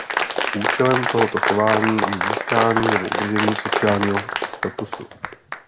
Účelem tohoto chování je získání nebo udržení sociálního statusu.